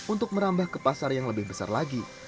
untuk merambah ke pasar yang lebih besar lagi